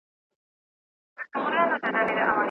ته مه اجازه ورکوه چې حیوانات په ناحقه ووژل شي.